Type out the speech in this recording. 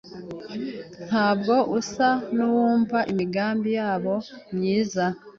Ntabwo usa nkuwumva imigambi yabo myiza.